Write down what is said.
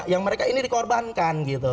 yang mereka ini dikorbankan gitu